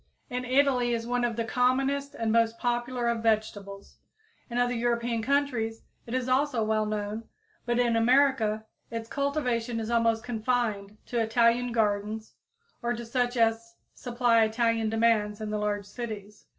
In Italy it is one of the commonest and most popular of vegetables. In other European countries it is also well known, but in America its cultivation is almost confined to Italian gardens or to such as supply Italian demands in the large cities.